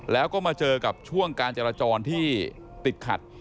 แล้วก็มาเจอกับช่วงการจราจรที่ติดขัด